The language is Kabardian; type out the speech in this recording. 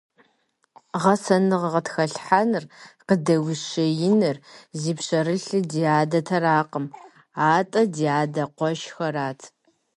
Гъэсэныгъэ къытхэлъхьэныр, къыдэущиеныр зи пщэрылъыр ди адэратэкъым, атӀэ ди адэ къуэшхэрат.